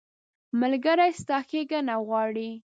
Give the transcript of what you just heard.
ملګری ستا ښېګڼه غواړي.